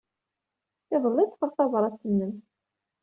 Iḍelli ay d-ḍḍfeɣ tabṛat-nnem.